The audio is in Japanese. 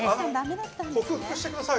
克服してください。